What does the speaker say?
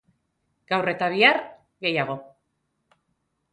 Gaur eta bihar, gehiago.